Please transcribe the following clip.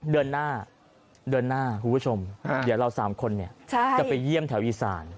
เดือนหน้าเดือนหน้าคุณผู้ชมเดี๋ยวเรา๓คนจะไปเยี่ยมแถวอีสาน